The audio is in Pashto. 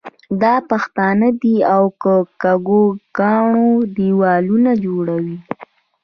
دا پښتانه دي او د کږو کاڼو دېوالونه جوړوي.